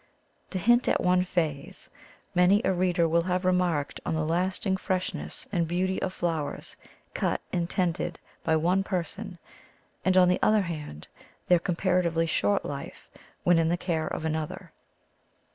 To hint at one phase — many a reader will have remarked on the lasting freshness and beauty of flowers cut and tended by one person, and, on the other hand, their com paratively short life when in the care of an other.